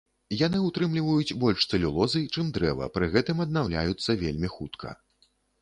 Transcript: Яны ўтрымліваюць больш цэлюлозы, чым дрэва, пры гэтым аднаўляюцца вельмі хутка.